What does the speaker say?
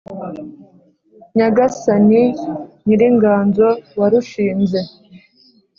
Nyagasani nyiringanzo warushinze